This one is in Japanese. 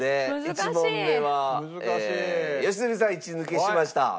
１問目は良純さん１抜けしました。